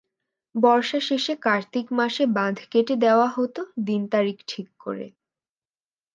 বর্ষা শেষে কার্তিক মাসে বাঁধ কেটে দেওয়া হতো দিন তারিখ ঠিক করে।